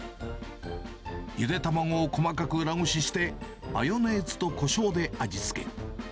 ゆで卵を細かく裏ごしして、マヨネーズとこしょうで味付け。